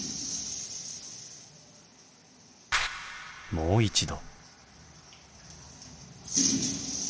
もう一度。